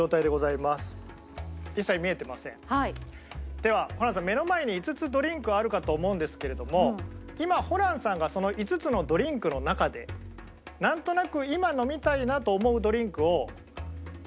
ではホランさん目の前に５つドリンクあるかと思うんですけれども今ホランさんがその５つのドリンクの中でなんとなく。